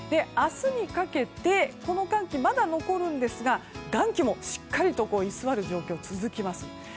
明日にかけてこの寒気は、まだ残るんですが暖気もしっかりと居座る状況が続きます。